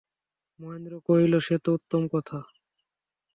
মহেন্দ্র কহিল, সে তো উত্তম কথা।